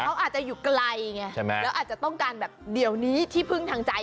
เขาอาจจะอยู่ไกลไงใช่ไหมแล้วอาจจะต้องการแบบเดี๋ยวนี้ที่พึ่งทางใจ